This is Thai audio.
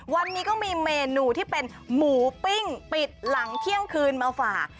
วันนี้ก็มีเมนูที่เป็นหมูปิ้งปิดหลังเที่ยงคืนมาฝาก